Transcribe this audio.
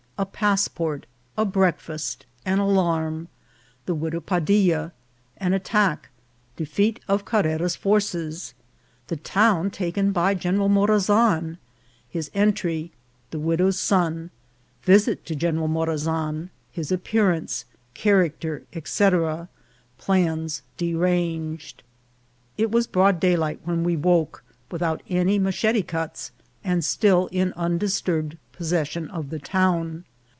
— A Passport. — A Breakfast.— An Alarm.— The Widow Padilla.— An Attack. — De feat of Carrera's Forces.— The Town taken by General Morazan — His Entry. — The Widow's Son. — Visit to General Morazan. — His Appearance, Character, &c. — Plans deranged. IT was broad daylight when we woke, without any machete cuts, and still in undisturbed possession of the town.